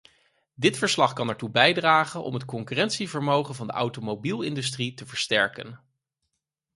Dit verslag kan ertoe bijdragen om het concurrentievermogen van de automobielindustrie te versterken.